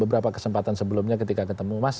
beberapa kesempatan sebelumnya ketika ketemu mas